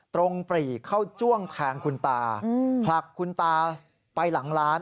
ปรีเข้าจ้วงแทงคุณตาผลักคุณตาไปหลังร้าน